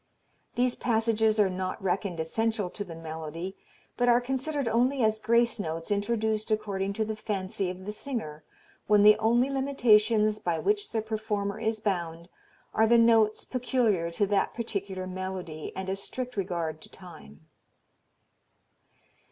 These passages are not reckoned essential to the melody, but are considered only as grace notes introduced according to the fancy of the singer, when the only limitations by which the performer is bound are the notes peculiar to that particular melody and a strict regard to time."